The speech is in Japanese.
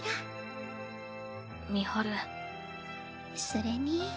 それに。